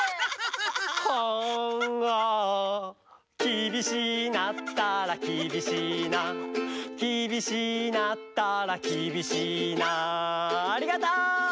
あんああきびしいなったらきびしいなきびしいなったらきびしいなありがとう！